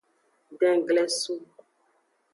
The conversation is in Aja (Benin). Denglesu.